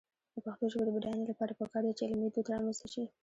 د پښتو ژبې د بډاینې لپاره پکار ده چې علمي دود رامنځته شي.